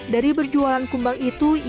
dari berjualan kumbang itu